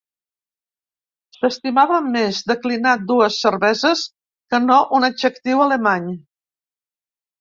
S'estimava més declinar dues cerveses que no un adjectiu alemany.